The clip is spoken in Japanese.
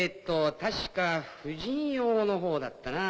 確か婦人用のほうだったな。